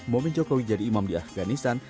momen jokowi jadi imam di afganistan